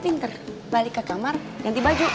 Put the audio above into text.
pinter balik ke kamar ganti baju